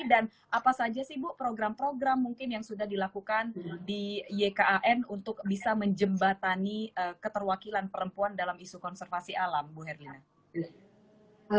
dan apa saja sih bu program program mungkin yang sudah dilakukan di ykan untuk bisa menjembatani keterwakilan perempuan dalam isu konservasi alam ibu herlina